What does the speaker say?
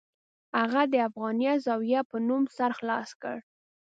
هغه د افغانیه زاویه په نوم سر خلاص کړ.